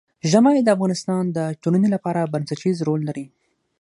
ژمی د افغانستان د ټولنې لپاره بنسټيز رول لري.